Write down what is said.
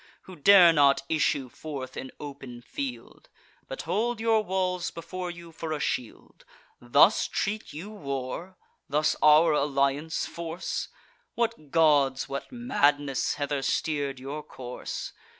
Who dare not issue forth in open field, But hold your walls before you for a shield. Thus treat you war? thus our alliance force? What gods, what madness, hither steer'd your course?